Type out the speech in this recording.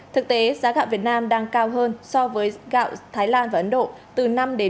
thực tế giá gạo việt nam đang cao hơn so với gạo thái lan và ấn độ từ năm một mươi